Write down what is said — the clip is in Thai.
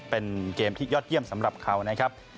เป็นเกมที่ยอดเยี่ยมสำหรับเขานะครับ